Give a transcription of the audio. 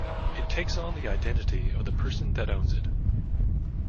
It takes on the identity of the person that owns it.